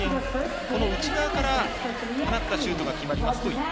この内側から放ったシュートが決まりますと１点。